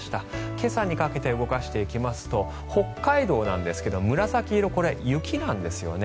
今朝にかけて動かしていきますと北海道なんですけど紫色、これは雪なんですね。